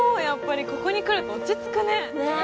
やっぱりここに来ると落ち着くね。ね！